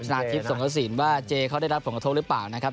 ชาติทริปส่งสรุปสินว่าเจ๊เขาได้รับผงโทษหรือเปล่านะครับ